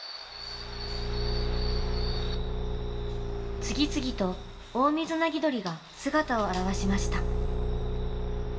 次々とオオミズナギドリが姿を現しました。